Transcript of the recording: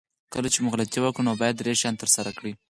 کله چې مو غلطي وکړه نو باید درې شیان ترسره کړئ.